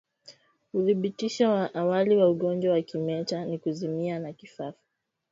Uthibitisho wa awali wa ugonjwa wa kimeta ni kuzimia na kifafa